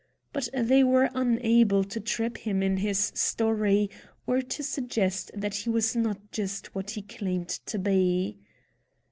But they were unable to trip him in his story, or to suggest that he was not just what he claimed to be.